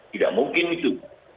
tidak mungkin itu